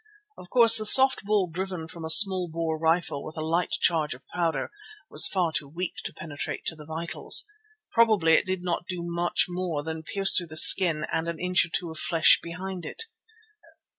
Of course, the soft ball driven from a small bore rifle with a light charge of powder was far too weak to penetrate to the vitals. Probably it did not do much more than pierce through the skin and an inch or two of flesh behind it.